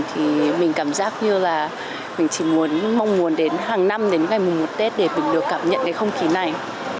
thì mình cảm giác như là mình chỉ mong muốn đến hàng năm đến ngày mùng một tết để mình được cảm nhận cái không khí này